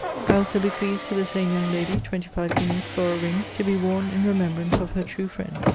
I also bequeath to the same young lady twenty five guineas for a ring, to be worn in remembrance of her true friend.